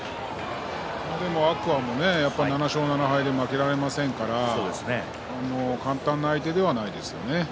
天空海も７勝７敗負けられませんから簡単な相手ではないですね。